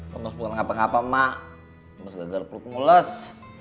lemes bukan apa apa emak lemes gagal peluk mulus